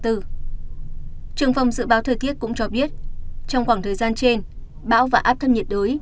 trường phòng dự báo thời tiết cũng cho biết trong khoảng thời gian trên bão và áp thấp nhiệt đới